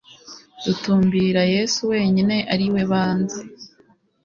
dutumbira yesu wenyine ari we banze